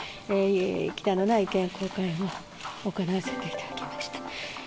きたんのない意見交換を行わせていただきました。